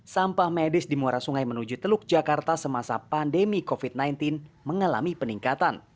sampah medis di muara sungai menuju teluk jakarta semasa pandemi covid sembilan belas mengalami peningkatan